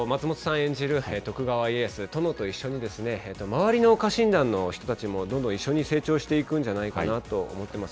演じる徳川家康、殿と一緒に周りの家臣団の人たちも、どんどん一緒に成長していくんじゃないかなと思ってます。